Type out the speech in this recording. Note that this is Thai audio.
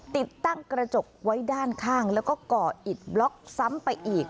ติดตั้งกระจกไว้ด้านข้างแล้วก็ก่ออิดบล็อกซ้ำไปอีก